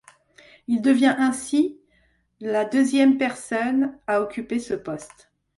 Il devient ainsi la deuxième personne à occuper ce poste.